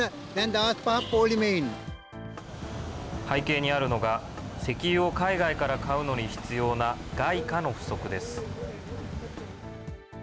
背景にあるのが、石油を海外から買うのに必要な外貨の不足です。